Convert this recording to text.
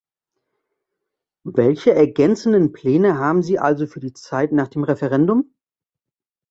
Welche ergänzenden Pläne haben Sie also für die Zeit nach dem Referendum?